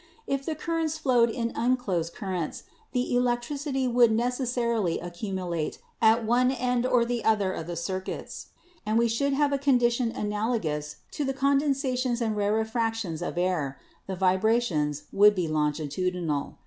If the currents flowed in unclosed cir cuits, the electricity would necessarily accumulate at one end or the other of the circuits, and we should have a con dition analogous to the condensations and rarefactions of air; the vibrations would be longitudinal.